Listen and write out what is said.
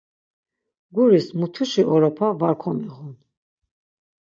Guris mutuşi oropa var komiğun.